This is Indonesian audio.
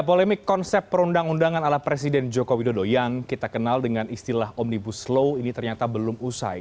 polemik konsep perundang undangan ala presiden joko widodo yang kita kenal dengan istilah omnibus law ini ternyata belum usai